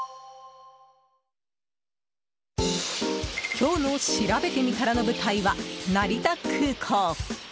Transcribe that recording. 今日のしらべてみたらの舞台は成田空港。